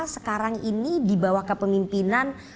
sekarang ini dibawah kepemimpinan